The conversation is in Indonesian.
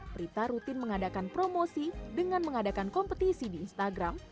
prita rutin mengadakan promosi dengan mengadakan kompetisi di instagram